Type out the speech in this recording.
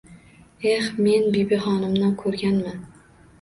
— Eh, men Bibixonimni ko’rganman…